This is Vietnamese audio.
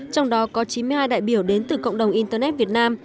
trong đó có chín mươi hai đại biểu đến từ cộng đồng internet việt nam